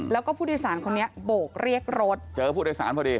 แล้วก็ผู้โดยสารคนนี้โบกเรียกรถเจอผู้โดยสารพอดี